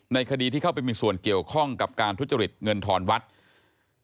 คดีที่เข้าไปมีส่วนเกี่ยวข้องกับการทุจริตเงินทอนวัด